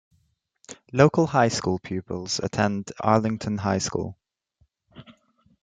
Local high school pupils attend Arlington High School.